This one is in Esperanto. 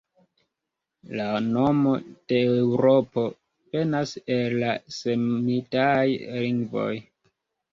La nomo de Eŭropo venas el la semidaj lingvoj.